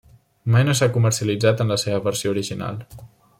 Mai no s'ha comercialitzat en la seva versió original.